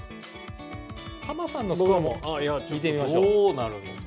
ハマさんのスコアも見てみましょう。